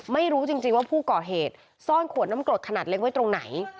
ไม่รู้จริงว่าผู้ก่อเหตุซ่อนขวดน้ำกรดขนาดเล็กไว้ตรงไหน